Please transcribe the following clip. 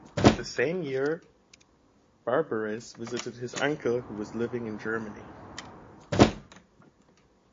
The same year, Barbarez visited his uncle who was living in Germany.